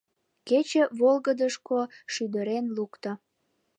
Кече волгыдышко шӱдырен лукто.